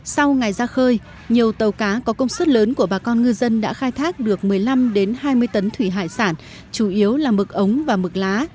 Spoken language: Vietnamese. sau ngày ra khơi nhiều tàu cá có công suất lớn của bà con ngư dân đã khai thác được một mươi năm hai mươi tấn thủy hải sản chủ yếu là mực ống và mực lá